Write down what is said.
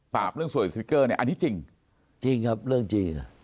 เรื่องสวยสติ๊กเกอร์เนี่ยอันนี้จริงจริงครับเรื่องจริง